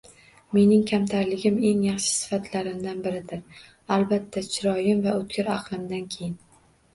Mening kamtarligim eng yaxshi sifatlarimdan biridir! Albatta chiroyim va o'tkir aqlimdan keyin...